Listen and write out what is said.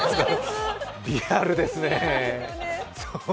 リアルですね。